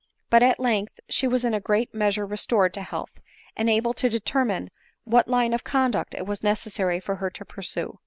But at length she was in a great measure restored to health, and able to determine what line of conduct it was necessary for her to pursue.